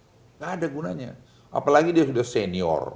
tidak ada gunanya apalagi dia sudah senior